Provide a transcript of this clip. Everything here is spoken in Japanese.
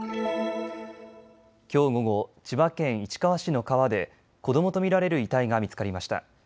きょう午後、千葉県市川市の川で子どもと見られる遺体が見つかりました。